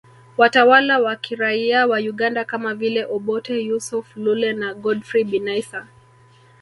Watawala wa kiraia wa Uganda kama vile Obote Yusuf Lule na Godfrey Binaisa